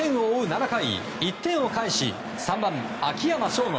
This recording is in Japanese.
７回１点を返し、３番の秋山翔吾。